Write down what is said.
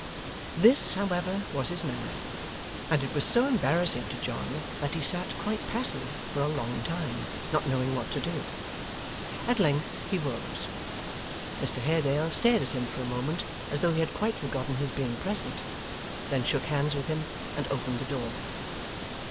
This, however, was his manner; and it was so embarrassing to John that he sat quite passive for a long time, not knowing what to do. At length he rose. Mr Haredale stared at him for a moment as though he had quite forgotten his being present, then shook hands with him, and opened the door.